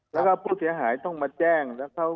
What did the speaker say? แล้วก็ผู้เสียหายต้องมาแจ้ง